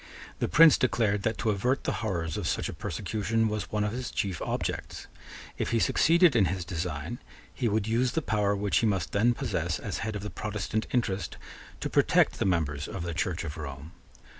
The Prince declared that to avert the horrors of such a persecution was one of his chief objects. If he succeeded in his design, he would use the power which he must then possess, as head of the Protestant interest, to protect the members of the Church of Rome.